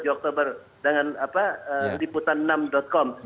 tujuh oktober dengan diputan enam com